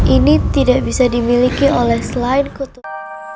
ini tidak bisa dimiliki oleh selain kutub